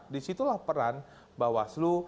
disitulah peran bawaslu